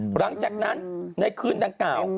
หลังจากนั้นในคืนดังกล่าว